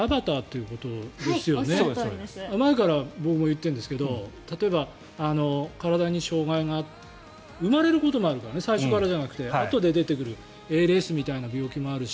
前から僕も言ってるんですけど例えば、体に障害が生まれてくることもあるからね最初からじゃなくてあとから出てくるＡＬＳみたいな病気もあるし。